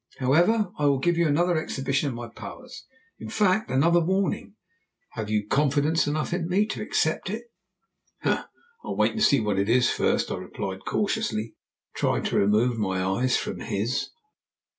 "However, I will give you another exhibition of my powers. In fact, another warning. Have you confidence enough in me to accept it?" "I'll wait and see what it is first," I replied cautiously, trying to remove my eyes from his.